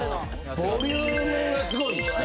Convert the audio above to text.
ボリュームがすごいっすね。